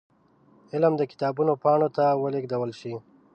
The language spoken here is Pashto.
علم د کتابونو پاڼو ته ولېږدول شي.